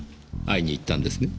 会いに行ったんですね？